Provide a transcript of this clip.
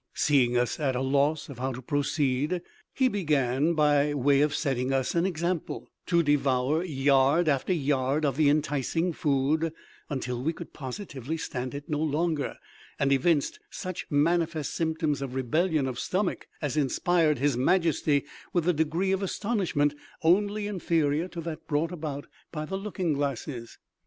Seeing us at a loss how to proceed, he began, by way of setting us an example, to devour yard after yard of the enticing food, until we could positively stand it no longer, and evinced such manifest symptoms of rebellion of stomach as inspired his majesty with a degree of astonishment only inferior to that brought about by the looking glasses.